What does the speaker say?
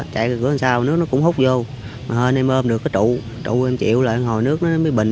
chạy ra cửa hình sau nước nó cũng hút vô mà hên em ôm được cái trụ trụ em chịu lại ngồi nước nó mới bình